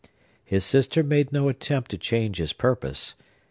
His sister made no attempt to change his purpose.